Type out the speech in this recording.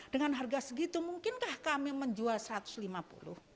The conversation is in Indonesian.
dengan harga segitu mungkinkah kami menjual rp satu ratus lima puluh